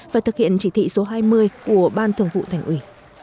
và thực hiện chỉ thị số hai mươi của ban thường vụ thành ủy